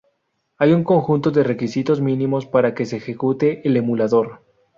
Hay un conjunto de requisitos mínimos para que se ejecute el emulador.